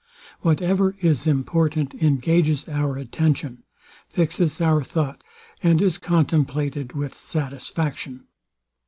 Whatever is important engages our attention, fixes our thought, and is contemplated with satisfaction.